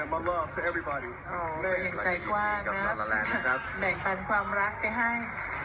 แบ่งปันความรักไปให้